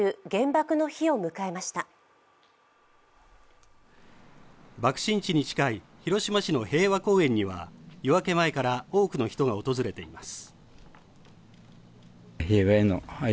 爆心地に近い広島市の原爆公園には夜明け前から多くの人が訪れています。